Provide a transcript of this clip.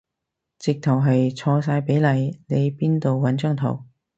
直頭係錯晒比例，你邊度搵張圖